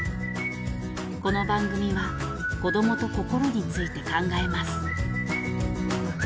この番組は子どもと心について考えます。